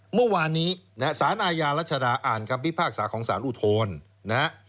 เมื่อวานนี้ศาลอายารัชดาอ่านคำพิพากษาของศาลอุทธวณ